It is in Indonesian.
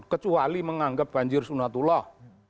kecuali menganggap banjir sunatullah